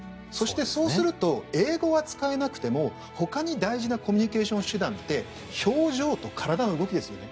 そうすると英語は使えなくてもほかに大事なコミュニケーション手段って表情と体の動きですよね。